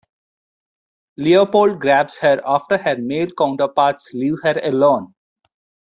Leopold grabs her after her male counterparts leave her alone.